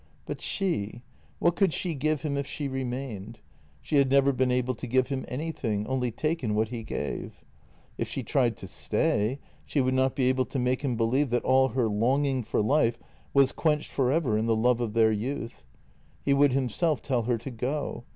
But she — what could she give him if she remained? She had never been able to give him anything, only taken what he gave. If she tried to stay, she would not be able to make him believe that all her longing for life was quenched for ever in the love of their youth. He would himself tell her to go.